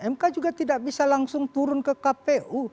mk juga tidak bisa langsung turun ke kpu